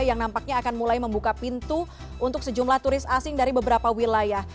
yang nampaknya akan mulai membuka pintu untuk sejumlah turis asing dari beberapa wilayah